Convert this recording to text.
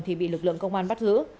thì bị lực lượng công an bắt giữ